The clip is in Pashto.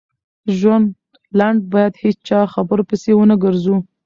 ژوند لنډ بايد هيچا خبرو پسی ونه ګرځو